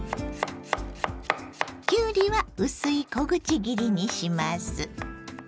きゅうりは薄い小口切りにします。